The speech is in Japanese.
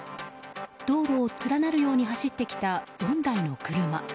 道路を連なるように走ってきた４台の車。